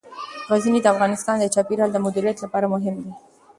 غزني د افغانستان د چاپیریال د مدیریت لپاره مهم دي.